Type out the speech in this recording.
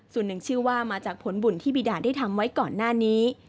ส่วนหนึ่งชื่อว่ามาจากผลบุญที่บีดาได้ทำไว้ก่อนหน้านี้